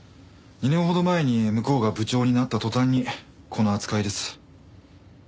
２年ほど前に向こうが部長になった途端にこの扱いです。